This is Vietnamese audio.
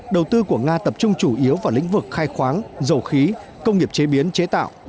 đầu tư của nga tập trung chủ yếu vào lĩnh vực khai khoáng dầu khí công nghiệp chế biến chế tạo